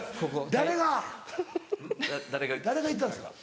誰が言ったんですか？